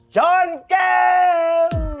ชนเก้ง